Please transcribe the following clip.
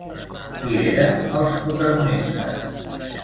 Qui eren els protagonistes?